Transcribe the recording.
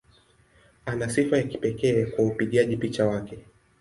Ana sifa ya kipekee kwa upigaji picha wake.